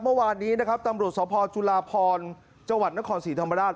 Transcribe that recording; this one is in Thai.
เมื่อวานนี้นะครับตำรวจสอบพลจุฬาพรจนครศรีธรรมราช